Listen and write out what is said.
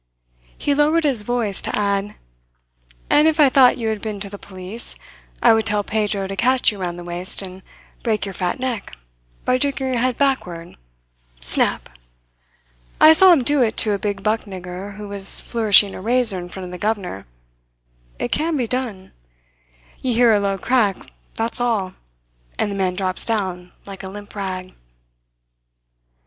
He lowered his voice to add: "And if I thought you had been to the police, I would tell Pedro to catch you round the waist and break your fat neck by jerking your head backward snap! I saw him do it to a big buck nigger who was flourishing a razor in front of the governor. It can be done. You hear a low crack, that's all and the man drops down like a limp rag."